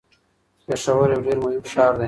پېښور یو ډیر مهم ښار دی.